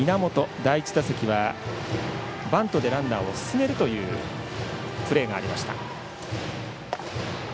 第１打席はバントでランナーを進めるというプレーがありました。